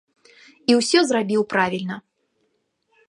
І ўсё зрабіў правільна.